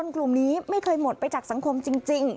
กลุ่มนี้ไม่เคยหมดไปจากสังคมจริง